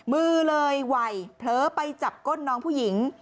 มือเลยไหวเผลอไปจับก้นน้องผู้หญิง